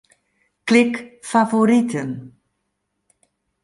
Klik Favoriten.